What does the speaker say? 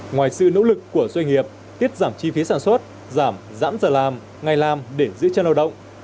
ngoài sự nỗ lực của doanh nghiệp tiết giảm chi phí sản xuất giảm giãn giờ làm ngày làm để giữ chân lao động